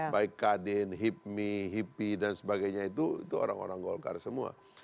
baik kadin hipmi hipi dan sebagainya itu orang orang golkar semua